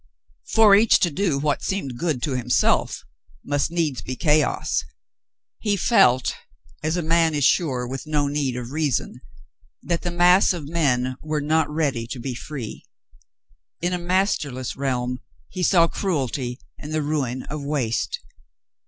For each to do what seemed good to himself must needs be chaos. He felt, as a man is sure with no need of reason, that the mass of men were not ready to be free. In a masterless realm he saw cruelty and the ruin of waste.